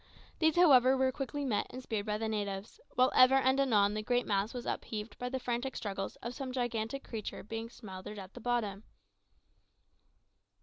These, however, were quickly met and speared by the natives, while ever and anon the great mass was upheaved by the frantic struggles of some gigantic creature that was being smothered at the bottom.